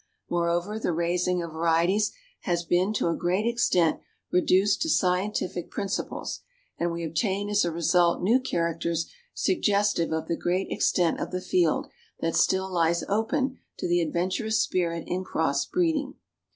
Moreover the raising of varieties has been to a great extent reduced to scientific principles, and we obtain as a result new characters suggestive of the great extent of the field that still lies open to the adventurous spirit in cross breeding.